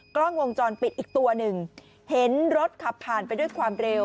กล้องวงจรปิดอีกตัวหนึ่งเห็นรถขับผ่านไปด้วยความเร็ว